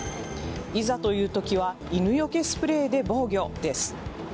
いざという時は犬よけスプレーで防御です。